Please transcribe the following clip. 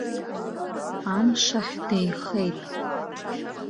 Амш ахь деихеит.